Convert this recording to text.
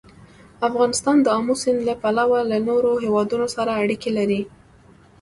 افغانستان د آمو سیند له پلوه له نورو هېوادونو سره اړیکې لري.